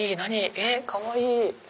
えっかわいい！